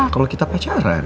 kalau kita pacaran